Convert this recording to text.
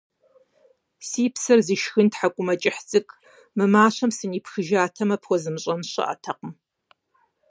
- Си псэр зышхын тхьэкӏумэкӏыхь цӏыкӏу, мы мащэм сынипхыжатэмэ, пхуэзмыщӏэн щыӏэтэкъым.